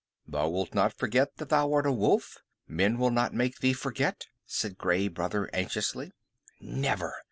"Thou wilt not forget that thou art a wolf? Men will not make thee forget?" said Gray Brother anxiously. "Never.